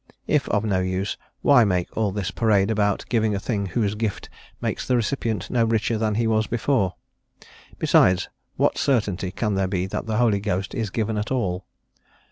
if of no use, why make all this parade about giving a thing whose gift makes the recipient no richer than he was before? Besides, what certainty can there be that the Holy Ghost is given at all?